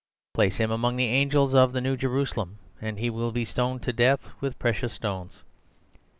Place him among the angels of the New Jerusalem, and he will be stoned to death with precious stones.